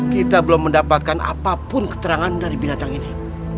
kita belum mendapatkan apapun keterangan dari binatang ini